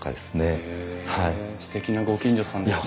へえすてきなご近所さんですね。